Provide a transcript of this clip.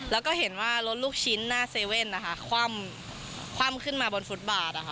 แล้วก็เห็นว่ารถลูกชิ้นหน้าเซเว่นนะคะคว่ำขึ้นมาบนฟุตบาทนะคะ